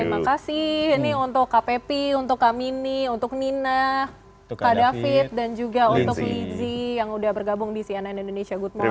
terima kasih ini untuk kak pepi untuk kak mini untuk nina kak david dan juga untuk lizzie yang udah bergabung di cnn indonesia good morni